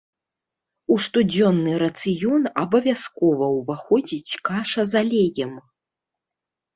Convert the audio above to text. У штодзённы рацыён абавязкова ўваходзіць каша з алеем.